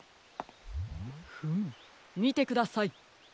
フムみてください。